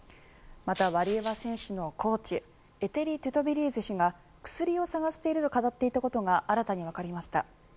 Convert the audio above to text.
またワリエワ選手のコーチエテリ・トゥトベリーゼ氏が薬を探していると語っていたことが新たにわかりました。